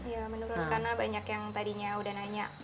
ya menurun karena banyak yang tadinya udah nanya